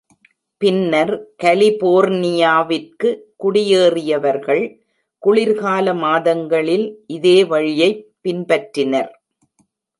பின்னர் கலிபோர்னியாவிற்கு குடியேறியவர்கள் குளிர்கால மாதங்களில் இதே வழியைப் பின்பற்றினர்.